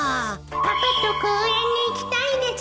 パパと公園に行きたいです